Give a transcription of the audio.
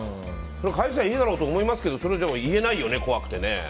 返せばいいだろうと思いますけどそれでも言えないよね、怖くてね。